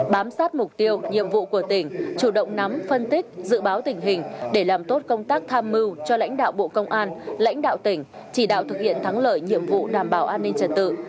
bám sát mục tiêu nhiệm vụ của tỉnh chủ động nắm phân tích dự báo tình hình để làm tốt công tác tham mưu cho lãnh đạo bộ công an lãnh đạo tỉnh chỉ đạo thực hiện thắng lợi nhiệm vụ đảm bảo an ninh trật tự